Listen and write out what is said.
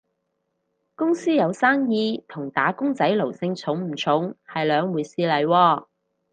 公司有生意同打工仔奴性重唔重係兩回事嚟喎